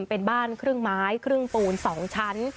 เป็นบ้านครึ่งไม้ครึ่งปูน๒ชั้น